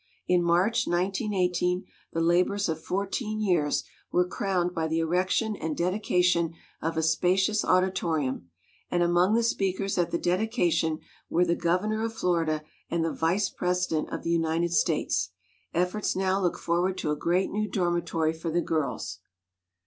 In March, 1918, the labors of fourteen years were crowned by the erection and dedication of a spacious auditorium; and among the speakers at the dedication were the Governor of Florida and the Vice President of the United States. Efforts now look forward to a great new dormitory for the girls.